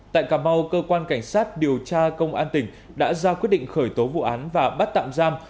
tại cà mau cơ quan cảnh sát điều tra công an tỉnh đã ra quyết định khởi tố vụ án và bắt tạm giam